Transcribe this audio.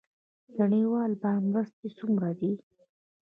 د نړیوال بانک مرستې څومره دي؟